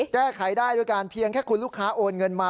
แก้ไขได้ด้วยการเพียงแค่คุณลูกค้าโอนเงินมา